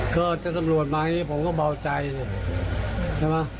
ก็จะตำรวจมาอย่างงี้ผมก็เบาใจใช่ไหม